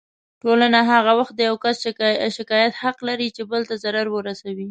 ټولنه هغه وخت د يو کس شکايت حق لري چې بل ته ضرر ورسوي.